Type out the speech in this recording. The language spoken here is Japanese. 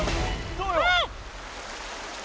どうよ？